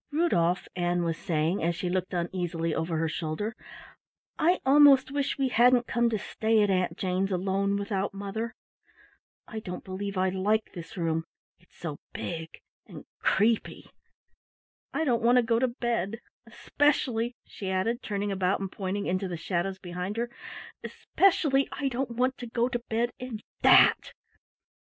"Rudolf," Ann was saying, as she looked uneasily over her shoulder, "I almost wish we hadn't come to stay at Aunt Jane's alone without mother. I don't believe I like this room, it's so big and creepy. I don't want to go to bed. Especially" she added, turning about and pointing into the shadows behind her "especially I don't want to go to bed in that!"